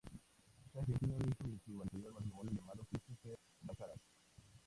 Sager tiene un hijo de su anterior matrimonio llamado Cristopher Bacharach.